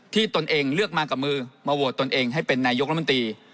ตนเองเลือกมากับมือมาโหวตตนเองให้เป็นนายกรัฐมนตรี